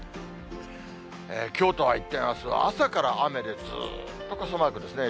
きょうとは一転、あすは朝から雨で、ずっと傘マークですね。